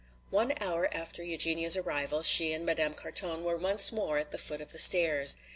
One hour after Eugenia's arrival she and Madame Carton were once more at the foot of the stairs.